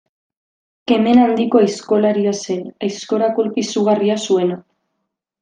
Kemen handiko aizkolaria zen, aizkora kolpe izugarria zuena.